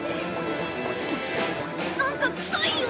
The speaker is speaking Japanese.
なんかくさいよ。